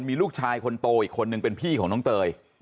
มีลูกชายคนโตอีกคนนึงเป็นพี่ของน้องเตย